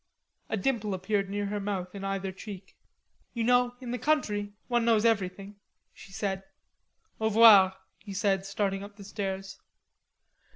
A dimple appeared near her mouth in either cheek. "You know, in the country, one knows everything," she said. "Au revoir," he said, starting up the stairs.